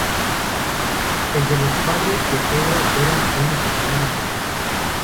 El de los padres de Pedro era un matrimonio infeliz.